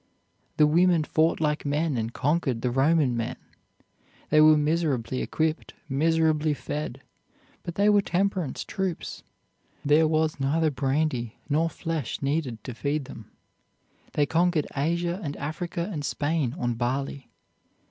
The women fought like men and conquered the Roman men. They were miserably equipped, miserably fed, but they were temperance troops. There was neither brandy nor flesh needed to feed them. They conquered Asia and Africa and Spain on barley.